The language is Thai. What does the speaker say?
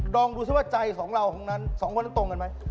ลองดูซิว่าใจของเราของนั้นสองคนนั้นตรงกันไหม